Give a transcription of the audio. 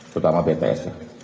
terutama pts ya